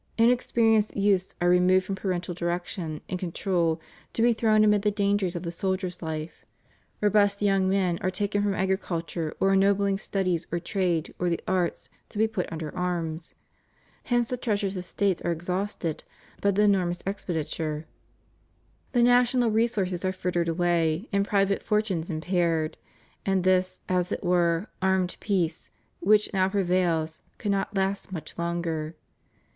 Inexperienced youths are removed from parental direction and control, to be thrown amid the dangers of the soldier's life; robust young men are taken from agriculture or ennobling studies or trade or the arts to be put under arms. Hence the treasures of States are exhausted b)'^ the enormous expenditure, the national resources are frittered away, and private for tunes impaired ; and this, as it were, amied peace, which now prevails, cannot last much longer.